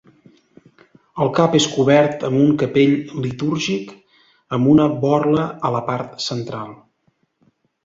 El cap és cobert amb el capell litúrgic, amb una borla a la part central.